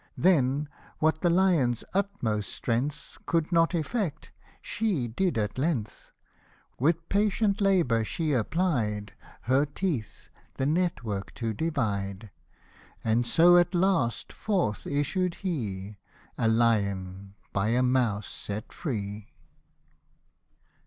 Then what the lion's utmost strength Could not effect, she did at length : With patient labour she applied Her teeth, the net work to divide ; And so at last forth issued he, A lion, by a mouse set free.